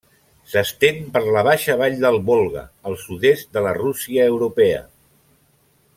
S'estén per la baixa vall del Volga, al sud-est de la Rússia europea.